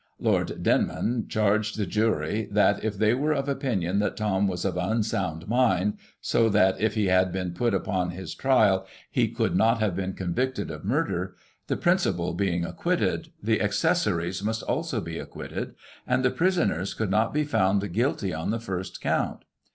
Lord Denman charged the jury that, if they were of opinion that Thom was of unsound mind, so that, if he had been put upon his trial, he could not have been convicted of murder, the principal being acquitted, the accessories must also be acquitted, and the prisoners could not be found guilty on the first count.